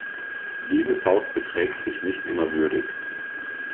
Dieses Haus beträgt sich nicht immer würdig.